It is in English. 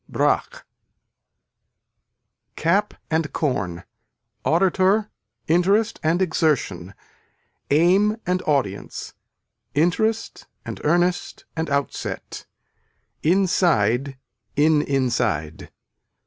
BRAQUE Cap and corn, auditor, interest and exertion, aim and audience, interest and earnest and outset, inside in inside.